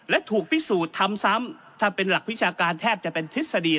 และถูกพิสูจน์ทำซ้ำถ้าเป็นหลักวิชาการแทบจะเป็นทฤษฎี